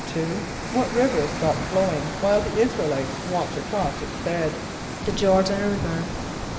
= =2.= What river stopped flowing while the [)I][s+]´ra el [=i]tes walked across its bed? =The Jôr´dan river.